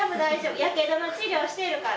やけどの治療しているから。